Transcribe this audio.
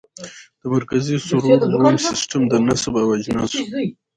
د مرکزي سرور روم سیسټم د نصب او اجناسو